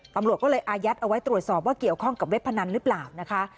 ตำรวจก็เลยอายัดเอาไว้ตรวจสอบว่าเกี่ยวข้องกับเว็บพนันหรือเปล่านะคะ